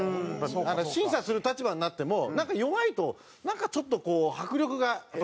審査する立場になってもなんか弱いとなんかちょっとこう迫力がここまで届かない。